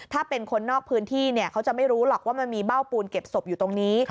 ถ้าเป็นคนนอกพื้นที่เขาจะไม่รู้หรอกว่ามันมีเบ้าปูนเก็บศพอยู่ตรงนี้